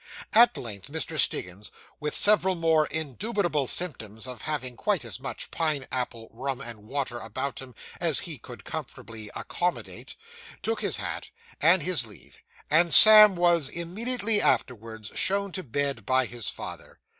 At length Mr. Stiggins, with several most indubitable symptoms of having quite as much pine apple rum and water about him as he could comfortably accommodate, took his hat, and his leave; and Sam was, immediately afterwards, shown to bed by his father.